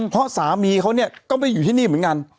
เพราะสามีเขาก็ไม่ได้อยู่ที่นี่เหมือนกัน